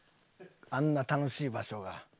あんな楽しい場所が。